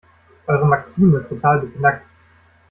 Eure Maxime ist total beknackt.